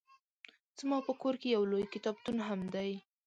زما په کور کې يو لوی کتابتون هم دی